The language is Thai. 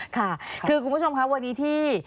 ค่ะคือคุณผู้ชมครับวันนี้ที่